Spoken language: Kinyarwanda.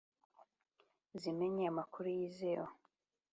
zimenye amakuru yizewe